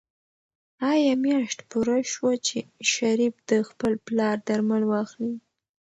آیا میاشت پوره شوه چې شریف د خپل پلار درمل واخلي؟